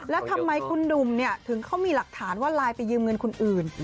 แล้วทำไมคุณหนุ่มถึงเขามีหลักฐานว่าไลน์ไปยืมเงินคนอื่น